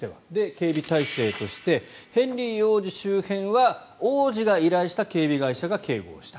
警備体制としてヘンリー王子周辺は王子が依頼した警備会社が警護をした。